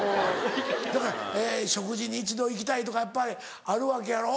だから食事に一度行きたいとかやっぱりあるわけやろ？